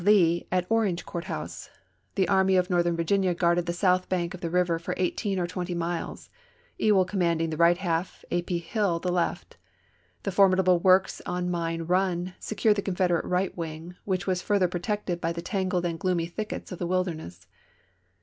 Lee at Orange Coui't House ; the Ai my of North ern Vii ginia guarded the south bank of the river for eighteen or twenty miles, Ewell commanding the right haK, A. P. Hill the left. The formidable works on Mine Run secured the Confederate right wing, which was further protected by the tangled and gloomy thickets of the Wilderness.